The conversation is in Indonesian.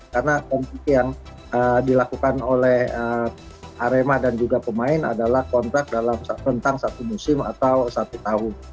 karena kompetisi yang dilakukan oleh arema dan juga pemain adalah kontrak dalam rentang satu musim atau satu tahun